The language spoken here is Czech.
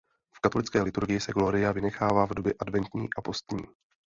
V katolické liturgii se Gloria vynechává v době adventní a postní.